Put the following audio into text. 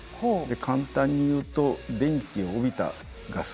簡単に言うと電気を帯びたガスなんです。